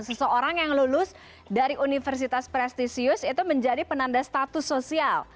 seseorang yang lulus dari universitas prestisius itu menjadi penanda status sosial